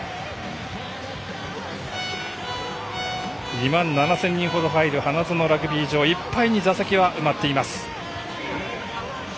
２万７０００人ほど入る花園ラグビー場いっぱいに座席は埋まっています。